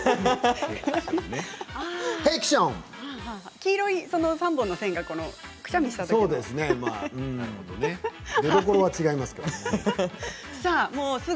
黄色い３本の線がくしゃみをしたということなんですね。